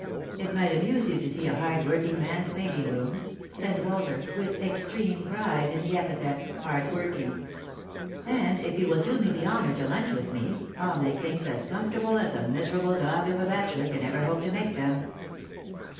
" It might amuse you to see a hard working man's painting room," said Walter, with extreme pride in the epithet " hard working." " And if you will do me the honour to lunch with me, I'll make things as comfortable as a miserable dog of a bachelor can ever hope to make them."